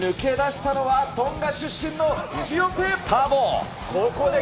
抜け出したのは、トンガ出身タヴォ。